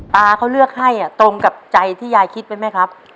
ตาเขาเลือกให้ตรงกับใจที่ยายคิดไว้ไหมครับ